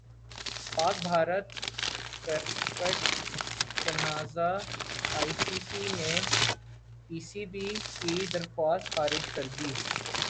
پاک بھارت کرکٹ تنازع I C سی نے پی سی بی کی درخواست خارج کردی